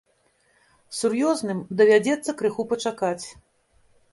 Сур'ёзным давядзецца крыху пачакаць.